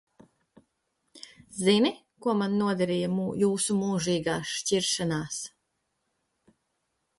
Zini, ko man nodara jūsu mūžīgās šķiršanās?